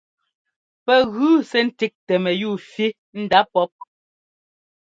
Pɛ gʉ sɛ́ ńtíꞌtɛ mɛyúu fí ndá pɔ́p.